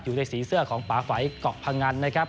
อยู่ในสีเสื้อของป่าไฝเกาะพงันนะครับ